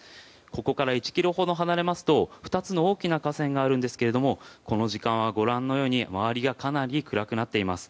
ここから１ｋｍほど離れますと２つの大きな河川があるんですがこの時間はご覧のように周りがかなり暗くなっています。